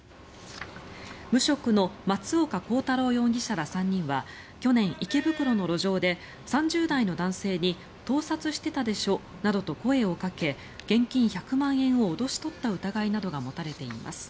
無職の松岡洸太郎容疑者ら３人は去年、池袋の路上で３０代の男性に盗撮してたでしょなどと声をかけ現金１００万円を脅し取った疑いなどが持たれています。